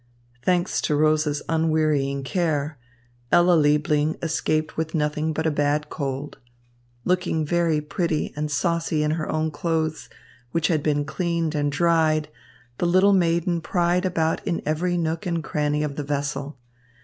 Thanks to Rosa's unwearying care, Ella Liebling escaped with nothing but a bad cold. Looking very pretty and saucy in her own clothes, which had been cleaned and dried, the little maiden pried about in every nook and cranny of the vessel.